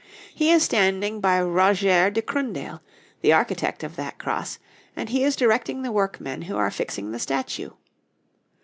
He is standing by Roger de Crundale, the architect of that cross, and he is directing the workmen who are fixing the statue....